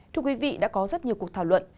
thưa quý vị đã có rất nhiều cuộc thảo luận